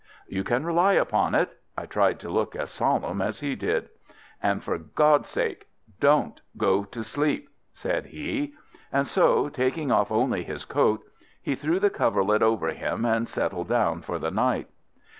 "You can rely upon it." I tried to look as solemn as he did. "And for God's sake don't go to sleep," said he, and so, taking off only his coat, he threw the coverlet over him and settled down for the night.